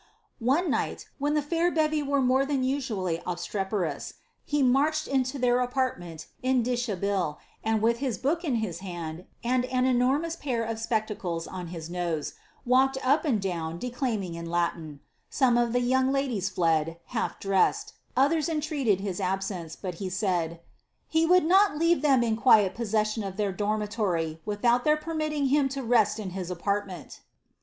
One night, when the fair bevy were more than nsuallv ob streperous, he marched into their apartment in dishabille, and with hij book in bis hand, and an enormous pair of spectacles on his no^< ■walked up and down, declaiming in Latin : some of the vounj ladies fled, half diessed, oihers entreated his absence, bni he said " lie would not leave them in quiet possession of ilieir dormitory, without they pff miiled him to rest in his apailmenL" Itacon's h^'ihe^ni. BLIZABBTH.